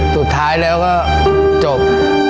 สุดท้ายแล้วก็จบ